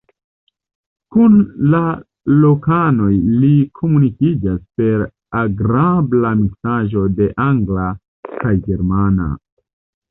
Kun la lokanoj li komunikiĝas per agrabla miksaĵo de angla kaj germana.